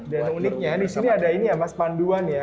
dan uniknya disini ada ini ya mas panduan ya